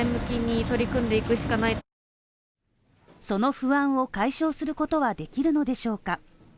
その不安を解消することはできるのでしょうか？